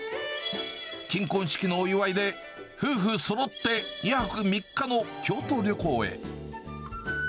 金婚式のお祝いで、夫婦そろって２泊３日の京都旅行へ。